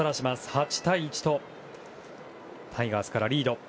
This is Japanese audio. ８対１とタイガースからリード。